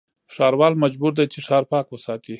ښاروال مجبور دی چې، ښار پاک وساتي.